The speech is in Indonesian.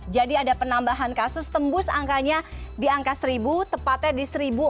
jadi ada penambahan kasus tembus angkanya di angka seribu tepatnya di seribu empat puluh dua